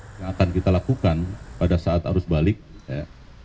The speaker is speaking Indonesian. yang akan kita lakukan pada saat arus balik ya